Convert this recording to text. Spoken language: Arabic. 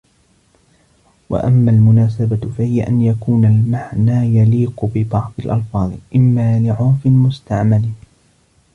وَأَمَّا الْمُنَاسَبَةُ فَهِيَ أَنْ يَكُونَ الْمَعْنَى يَلِيقُ بِبَعْضِ الْأَلْفَاظِ إمَّا لِعُرْفٍ مُسْتَعْمَلٍ